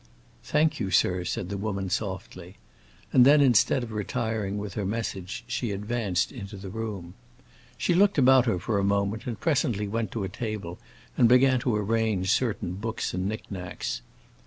"Thank you, sir," said the woman, softly; and then, instead of retiring with her message, she advanced into the room. She looked about her for a moment, and presently went to a table and began to arrange certain books and knick knacks.